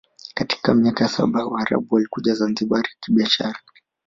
Katika miaka ya mia saba Waarabu walikuja Zanzibar kibiashara